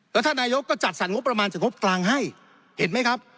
แล้วท่านนายกก็จัดสรรงบประมาณจากงบกลางให้เห็นไหมครับ